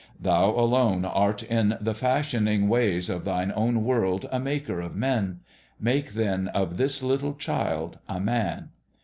Thou alone art in the fash ioning ways of Thine own world a Maker of Men : make then of this little child a Man.